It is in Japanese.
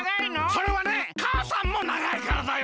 それはねかあさんもながいからだよ。